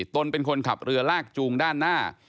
ตนเป็นคนขับเรือลากจูงด้านหน้า